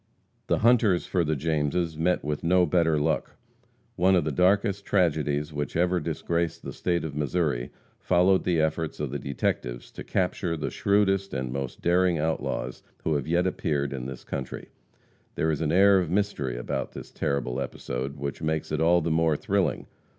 The hunters for the Jameses met with no better luck. One of the darkest tragedies which ever disgraced the state of Missouri followed the efforts of the detectives to capture the shrewdest and most daring outlaws who have yet appeared in this country. There is an air of mystery about this terrible episode which makes it all the more thrilling.